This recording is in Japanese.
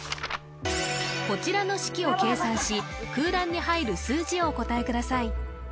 こちらの式を計算し空欄に入る数字をお答えください